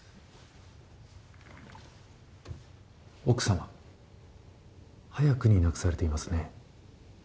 奥様早くに亡くされていますね？